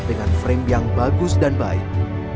dengan frame yang bagus dan baik